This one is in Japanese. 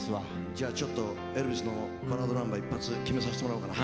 じゃあちょっとエルビスのバラードナンバー一発決めさせてもらおうかな。